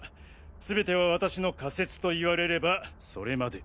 全ては私の仮説と言われればそれまで。